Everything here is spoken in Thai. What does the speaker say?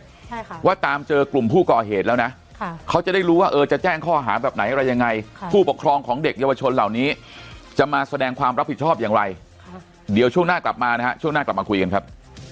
ใช่ค่ะว่าตามเจอกลุ่มผู้ก่อเหตุแล้วนะค่ะเขาจะได้รู้ว่าเออจะแจ้งข้อหาแบบไหนอะไรยังไงค่ะผู้ปกครองของเด็กเยาวชนเหล่านี้จะมาแสดงความรับผิดชอบอย่างไรค่ะเดี๋ยวช่วงหน้ากลับมานะฮะช่วงหน้ากลับมาคุยกันครับ